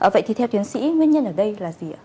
vậy thì theo tiến sĩ nguyên nhân ở đây là gì ạ